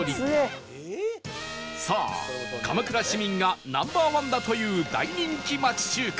さあ鎌倉市民が Ｎｏ．１ だという大人気町中華